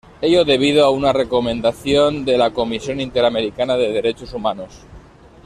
Ello debido a una recomendación de la Comisión Interamericana de Derechos Humanos.